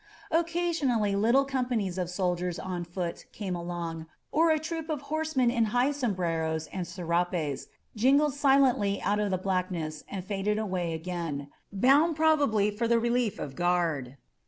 Occasionally little companies of soldiers on foot came along, or a troop of horsemen in high sombreros and serapes jingled silently out of the black ness and faded away again, boimd probably for the relief of guard.